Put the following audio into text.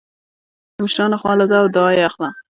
د مشرانو خوا له ځه او دعا يې اخله